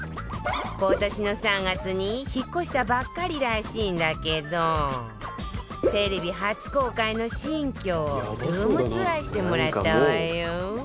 今年の３月に引っ越したばっかりらしいんだけどテレビ初公開の新居をルームツアーしてもらったわよ